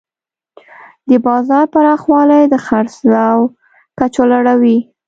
د بازار پراخوالی د خرڅلاو کچه لوړوي.